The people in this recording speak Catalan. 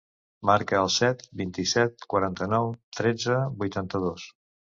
Marca el set, vint-i-set, quaranta-nou, tretze, vuitanta-dos.